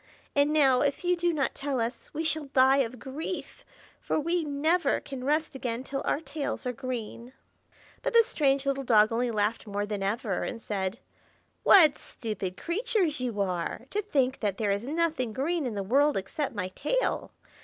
And now, if you do not tell us, we shall die of grief, for we never can rest again till our tails are green." But the strange little dog only laughed more than ever, and said, "What stupid creatures you are, to think that there is nothing green in the world except my tail.